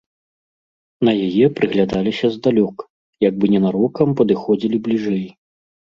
На яе прыглядаліся здалёк, як бы ненарокам падыходзілі бліжэй.